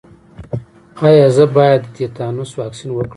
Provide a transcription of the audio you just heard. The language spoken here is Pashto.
ایا زه باید د تیتانوس واکسین وکړم؟